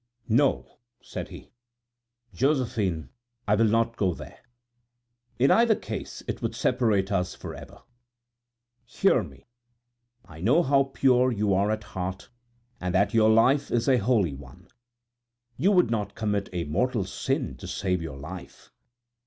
"No," said he, "Josephine, I will not go there. In either case it would separate us forever. Hear me, I know how pure you are at heart, and that your life is a holy one. You would not commit a mortal sin to save your life."